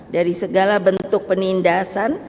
dari segala bentuk penindasan